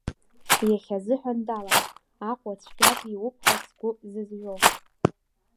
Иахьа азыҳәан далам Аҟәа цәгьак иуп ҳәа сгәы зызҩо.